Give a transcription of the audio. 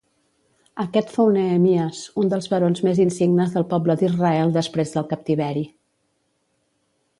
Aquest fou Nehemies, un dels barons més insignes del poble d'Israel després del captiveri.